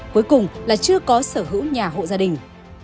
cuối cùng là chưa có sở hữu nhà hộ gia đình